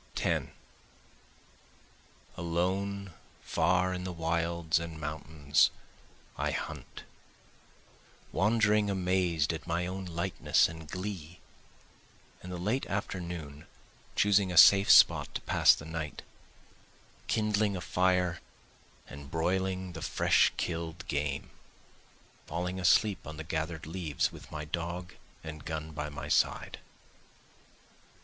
10 Alone far in the wilds and mountains I hunt, Wandering amazed at my own lightness and glee, In the late afternoon choosing a safe spot to pass the night, Kindling a fire and broiling the fresh kill'd game, Falling asleep on the gather'd leaves with my dog and gun by my side.